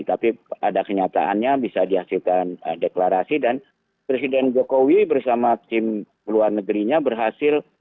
tapi ada kenyataannya bisa dihasilkan deklarasi dan presiden jokowi bersama tim luar negerinya berhasil